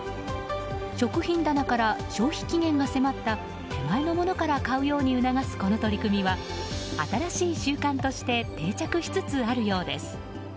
食品棚から消費期限が迫った手前のものから買うように促すこの取り組みは新しい習慣として定着しつつあるようです。